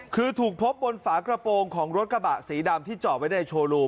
คือถูกพบบนฝากระโปรงของรถกระบะสีดำที่จอดไว้ในโชว์รูม